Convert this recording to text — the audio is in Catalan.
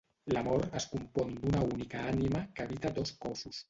L'amor es compon d'una única ànima que habita dos cossos